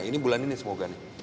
ini bulan ini semoga nih